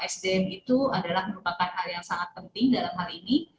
sdm itu adalah merupakan hal yang sangat penting dalam hal ini